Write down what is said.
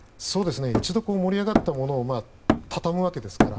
一度盛り上がったものをたたむわけですから。